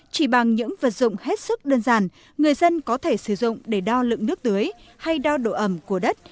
chỉ bằng những vật dụng hết sức đơn giản người dân có thể sử dụng để đo lượng nước tưới hay đo độ ẩm của đất